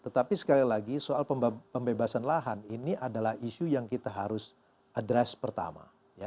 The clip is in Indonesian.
tetapi sekali lagi soal pembebasan lahan ini adalah isu yang kita harus address pertama